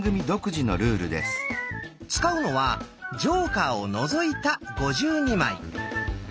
使うのはジョーカーを除いた５２枚。